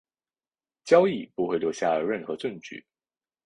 交易不会留下任何证据。